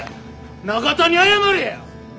長田に謝れや！